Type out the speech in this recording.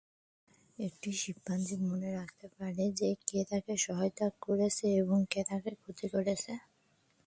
একটি শিম্পাঞ্জি মনে রাখতে পারে যে কে তাকে সহায়তা করেছে এবং কে তার ক্ষতি করেছে।